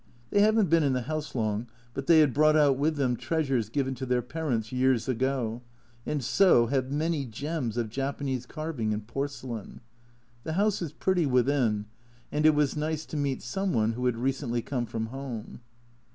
They haven't been in the house long, but they had brought out with them treasures given to their parents years ago, and so have many gems of Japanese carving and porcelain. The house is pretty within, and it was nice to meet some one who had recently come from home.